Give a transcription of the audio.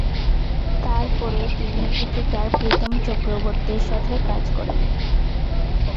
তারপরে, তিনি গীতিকার প্রীতম চক্রবর্তীর সাথে কাজ করেন।